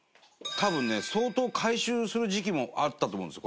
多分ね、相当回収する時期もあったと思うんですよ